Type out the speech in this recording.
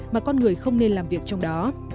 mà con người không nên làm việc trong đó